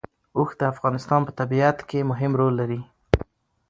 اوښ د افغانستان په طبیعت کې مهم رول لري.